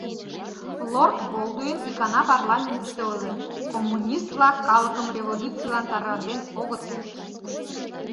Лорд Болдуин икана парламентыште ойлен: «Коммунист-влак калыкым революцийлан таратен огыт керт».